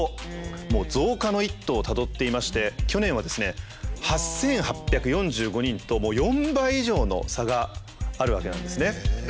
もう増加の一途をたどっていまして去年はですね８，８４５人と４倍以上の差があるわけなんですね。